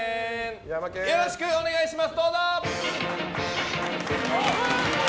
よろしくお願いします。